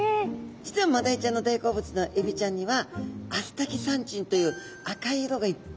実はマダイちゃんの大好物のエビちゃんにはアスタキサンチンという赤い色がいっぱいふくまれてまして。